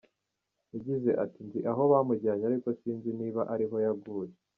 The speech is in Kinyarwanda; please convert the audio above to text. Yagize ati “Nzi aho bamujyanye ariko sinzi niba ariho yaguye.